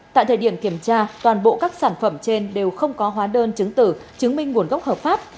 tại thời điểm kiểm tra toàn bộ các sản phẩm trên đều không có hóa đơn chứng tử chứng minh nguồn gốc hợp pháp